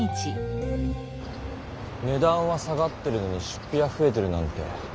ねだんは下がってるのに出ぴはふえてるなんて。